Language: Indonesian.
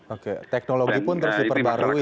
oke teknologi pun harus diperbarui ya pak lelik ya